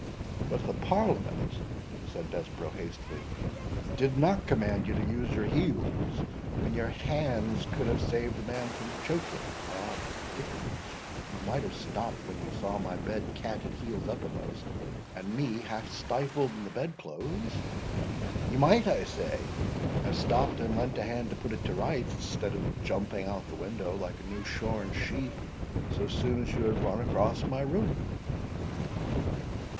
"But the Parliament," said Desborough, hastily, "did not command you to use your heels when your hands could have saved a man from choking. Odds dickens! you might have stopped when you saw my bed canted heels uppermost, and me half stifled in the bed clothes—you might, I say, have stopped and lent a hand to put it to rights, instead of jumping out of the window, like a new shorn sheep, so soon as you had run across my room."